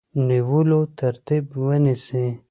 نیولو ترتیب ونیسي.